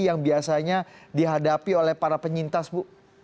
yang biasanya dihadapi oleh para penyintas bu